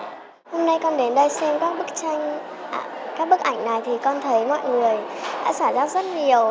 hôm nay con đến đây xem các bức tranh các bức ảnh này thì con thấy mọi người đã xảy ra rất nhiều